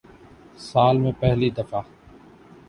سال میں پہلی دفع